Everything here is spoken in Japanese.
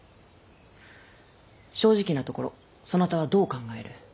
正直なところそなたはどう考える。